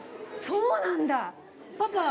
そうなんだ！